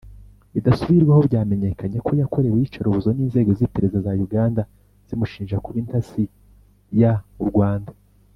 bidasubirwaho byamenyekanye ko yakorewe iyicarubuzo n’inzego z’iperereza za Uganda zimushinja kuba intasi y’au Rwanda.